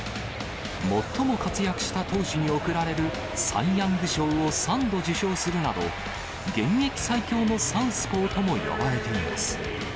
最も活躍した投手に贈られるサイ・ヤング賞を３度受賞するなど、現役最強のサウスポーとも呼ばれています。